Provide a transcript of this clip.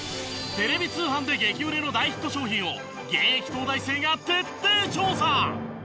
テレビ通販で激売れの大ヒット商品を現役東大生が徹底調査！